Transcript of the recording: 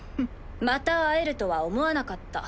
また会えるとは思わなかった。